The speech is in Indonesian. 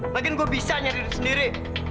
makin gue bisa nyari diri sendiri